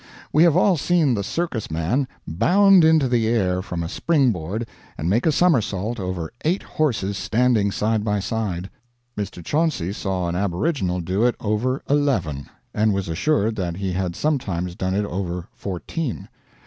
We have all seen the circus man bound into the air from a spring board and make a somersault over eight horses standing side by side. Mr. Chauncy saw an aboriginal do it over eleven; and was assured that he had sometimes done it over fourteen.